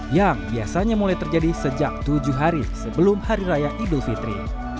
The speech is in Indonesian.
yang biasanya mulai terjadi sejak tujuh hari sebelum hari raya idul fitri